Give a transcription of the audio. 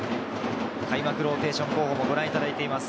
開幕ローテーション候補をご覧いただいています。